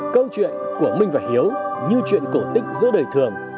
câu chuyện của minh và hiếu như chuyện cổ tích giữa đời thường